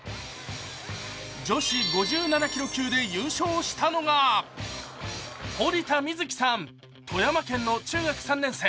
女子５７キロ級で優勝したのが堀田みず希さん、富山県の中学３年生。